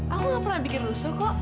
aku gak pernah bikin rusuh kok